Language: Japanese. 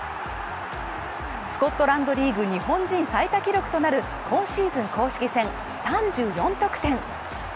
スコットランドリーグ日本人最多記録となる今シーズン公式戦３４得点。